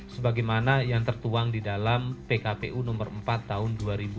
sebagaimana yang tertuang di dalam pkpu nomor empat tahun dua ribu dua puluh